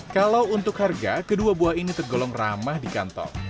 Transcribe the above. kalau untuk harga kedua buah ini tergolong ramah di kantong